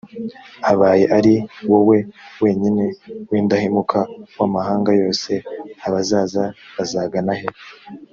abaye ari wowe wenyine w indahemuka w amahanga yose abazaza bazaganahe